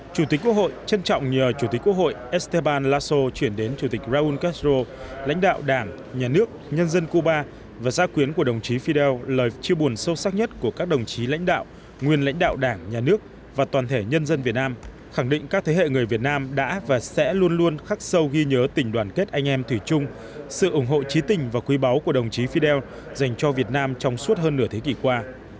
chủ tịch quốc hội trân trọng nhờ chủ tịch quốc hội esteban lasso chuyển đến chủ tịch raúl castro lãnh đạo đảng nhà nước nhân dân cuba và ra quyến của đồng chí fidel lời chiêu buồn sâu sắc nhất của các đồng chí lãnh đạo nguyên lãnh đạo đảng nhà nước và toàn thể nhân dân việt nam khẳng định các thế hệ người việt nam đã và sẽ luôn luôn khắc sâu ghi nhớ tình đoàn kết anh em thủy chung sự ủng hộ trí tình và quý báu của đồng chí fidel dành cho việt nam trong suốt hơn nửa thế kỷ qua